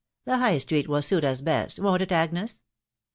. the High Street will suit us best, won't it, Agnes